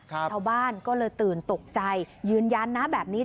ชาวบ้านก็เลยตื่นตกใจยืนยันนะแบบนี้